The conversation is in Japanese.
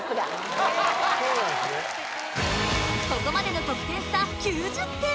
ここまでの得点差９０点